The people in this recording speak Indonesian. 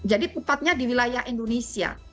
jadi tepatnya di wilayah indonesia